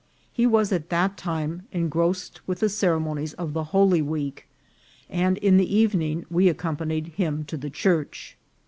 He was at that .time engrossed with the cere monies of the Holy Week, and in the evening we ac companied him to the church.